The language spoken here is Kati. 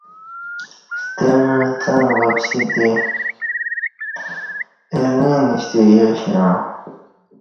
ستمع څݣ وپسی ارݣہ نیشیتہ یش یعاں